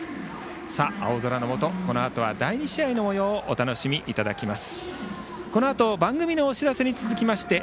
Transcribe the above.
青空の下、このあとは第２試合の模様をお楽しみいただきます。